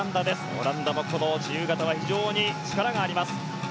オランダもこの自由形は非常に力があります。